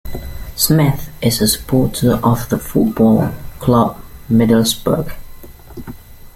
Smith is a supporter of the football club Middlesbrough.